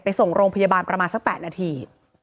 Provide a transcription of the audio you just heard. ส่งโรงพยาบาลประมาณสัก๘นาที